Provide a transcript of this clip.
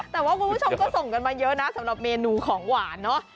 แต่ว่าคุณผู้ชมก็ส่งกันมาเยอะนะสำหรับเมนูของหวานเนอะ